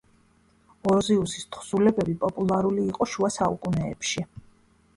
ოროზიუსის თხზულებები პოპულარული იყო შუა საუკუნეებში.